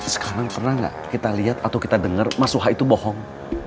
sekarang pernah gak kita lihat atau kita denger mas suha itu bohong